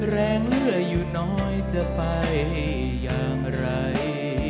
เหลืออยู่น้อยจะไปอย่างไร